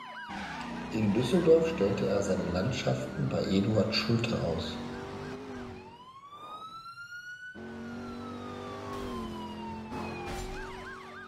In Düsseldorf stellte er seine Landschaften bei Eduard Schulte aus.